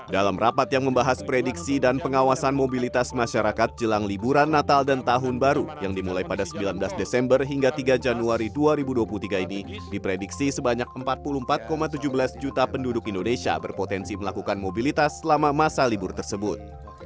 dalam rapat yang membahas prediksi dan pengawasan mobilitas masyarakat jelang liburan natal dan tahun baru yang dimulai pada sembilan belas desember hingga tiga januari dua ribu dua puluh tiga ini diprediksi sebanyak empat puluh empat tujuh belas juta penduduk indonesia berpotensi melakukan mobilitas selama masa libur tersebut